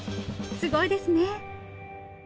すごいですね！